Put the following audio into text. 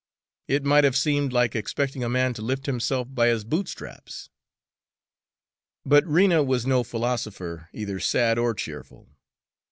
It might have seemed like expecting a man to lift himself by his boot straps. But Rena was no philosopher, either sad or cheerful.